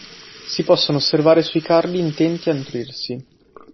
Si possono osservare sui cardi intenti a nutrirsi.